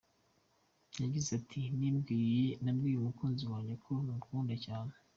Yagize ati: “ Nabwiye umukunzi wanjye ko mukunda cyane.